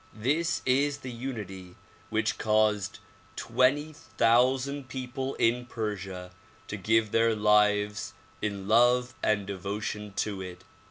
This is the unity which caused twenty thousand people in Persia to give their lives in love and devotion to it.